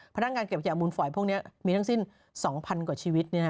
พนักงานเก็บขยะมูลฝอยพวกเนี้ยมีทั้งสิ้นสองพันกว่าชีวิตเนี้ยฮะ